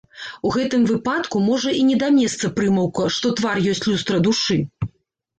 У гэтым выпадку можа і не да месца прымаўка, што твар ёсць люстра душы.